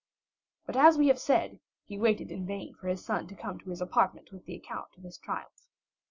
But as we have said, he waited in vain for his son to come to his apartment with the account of his triumph.